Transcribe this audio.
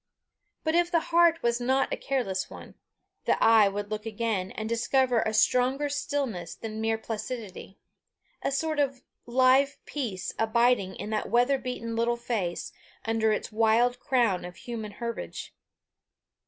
But if the heart was not a careless one, the eye would look again and discover a stronger stillness than mere placidity a sort of live peace abiding in that weather beaten little face under its wild crown of human herbage.